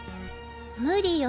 無理よ。